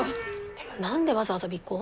でも何でわざわざ尾行？